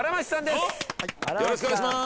よっよろしくお願いします